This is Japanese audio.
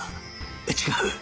違う！